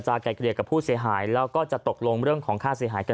สุดท้ายตัดสินใจเดินทางไปร้องทุกข์การถูกกระทำชำระวจริงและตอนนี้ก็มีภาวะซึมเศร้าด้วยนะครับ